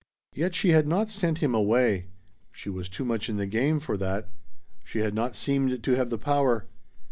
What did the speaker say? Yet she had not sent him away. She was too much in the game for that. She had not seemed to have the power.